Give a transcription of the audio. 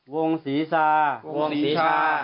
วงศีรศาสตร์